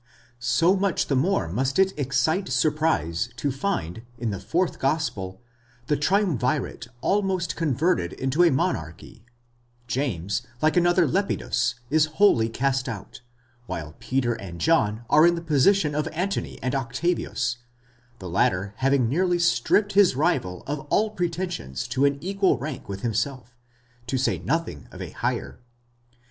So much the more must it excite surprise to find, in the fourth gospel the triumvirate almost converted into a monarchy : James, like another Lepidus, is wholly cast out, while Peter and John are in the position of Antony and Octavius, the latter having nearly stripped his rival of all pretensions to an equal rank with himself, to say nothing of a higher.